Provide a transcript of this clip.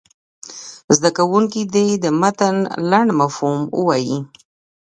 زده کوونکي دې د متن لنډ مفهوم ووایي.